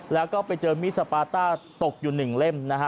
แล้วก็ไปเจอนมีซะปาตท่าตกอยู่หนึ่งเล่มนะฮะ